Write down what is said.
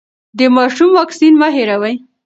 د ماشوم واکسین مه هېروئ.